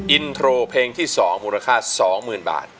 อินโทรเพลงที่๒มูลค่า๒๐๐๐บาท